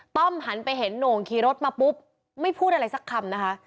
้อมหันไปเห็นโหน่งขี่รถมาปุ๊บไม่พูดอะไรสักคำนะคะ